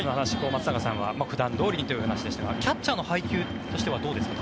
松坂さんは普段どおりという話でしたがキャッチャーの配球としてはどうですか？